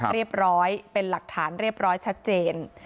เรียบร้อยเป็นหลักฐานเรียบร้อยชัดเจน